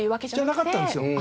じゃなかったんですよ。